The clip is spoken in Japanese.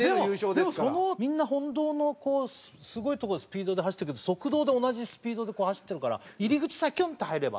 でもみんな本道のすごいとこスピードで走っていくけど側道で同じスピードでこう走ってるから入り口さえキュンと入れば。